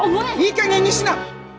いいかげんにしな！